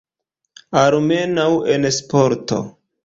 Almenaŭ en sporto.